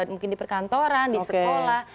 mungkin di perkantoran di sekolah